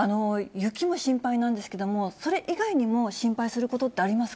雪も心配なんですけども、それ以外にも心配することってありますか？